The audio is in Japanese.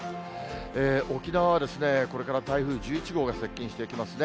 沖縄はこれから台風１１号が接近してきますね。